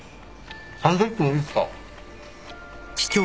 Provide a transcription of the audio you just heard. サンドイッチもいいっすか？